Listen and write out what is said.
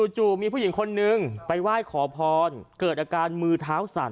จู่มีผู้หญิงคนนึงไปไหว้ขอพรเกิดอาการมือเท้าสั่น